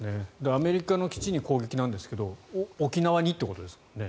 アメリカの基地に攻撃なんですが沖縄にということですね。